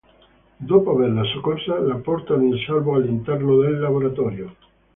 Dopo averla soccorsa, la portano in salvo all'interno del laboratorio.